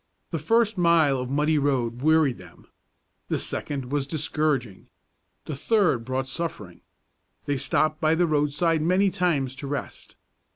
The first mile of muddy road wearied them, the second was discouraging, the third brought suffering. They stopped by the roadside many times to rest.